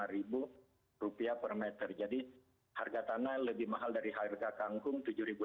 rp lima per meter jadi harga tanah lebih mahal dari harga kangkung tujuh lima ratus